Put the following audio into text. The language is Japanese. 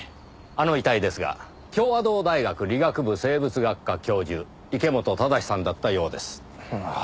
あの遺体ですが協和堂大学理学部生物学科教授池本正さんだったようです。